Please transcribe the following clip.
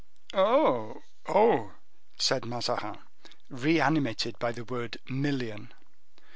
"Oh, oh!" said Mazarin, reanimated by the word million.